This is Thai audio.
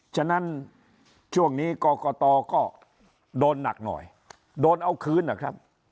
ฉะนั้นช่วงนี้กรกตก็โดนหนักหน่อยโดนเอาคืนนะครับ